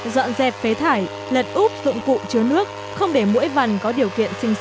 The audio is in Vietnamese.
dọn dẹp phế thải lật úp tụng cụ chứa nước không để mũi vằn có điều kiện sinh sản